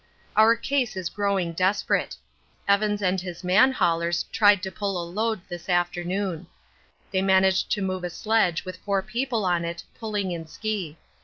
Our case is growing desperate. Evans and his man haulers tried to pull a load this afternoon. They managed to move a sledge with four people on it, pulling in ski.